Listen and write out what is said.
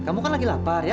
kamu kan lagi lapar ya